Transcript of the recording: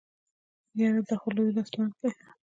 يره دا خو لوی لاس مرګ دی.